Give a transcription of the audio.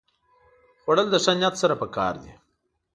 خوړل د ښه نیت سره پکار دي